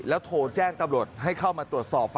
โทรแจ้งตำรวจให้เข้ามาตรวจสอบ